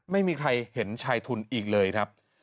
ไม่มีใครเห็นชายทุนอีกเลยครับ